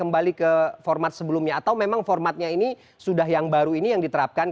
bahkan memang formatnya ini sudah yang baru ini yang diterapkan